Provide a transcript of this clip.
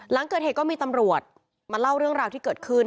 หลังเกิดเหตุก็มีตำรวจมาเล่าเรื่องราวที่เกิดขึ้น